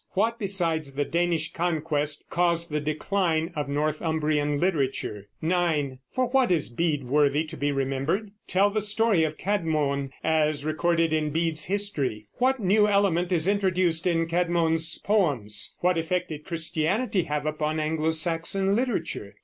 What besides the Danish conquest caused the decline of Northumbrian literature? 9. For what is Bede worthy to be remembered? Tell the story of Cædmon, as recorded in Bede's History. What new element is introduced in Cædmon's poems? What effect did Christianity have upon Anglo Saxon literature?